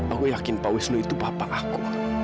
aku yakin pak wisnu itu bapak aku